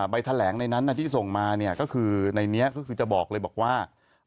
ใบแถลงในนั้นที่ส่งมาก็คือในนี้ก็คือจะบอกเลยบอกว่า